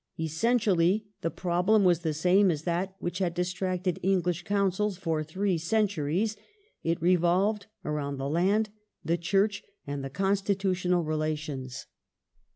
Essentially, the problem was the same as that which had distracted English counsels for three centuries : it revolved around the land, the Church, and the Constitutional relations.